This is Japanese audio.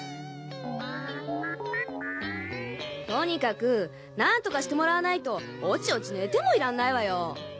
とにかく何とかしてもらわないとおちおち寝てもいらんないわよ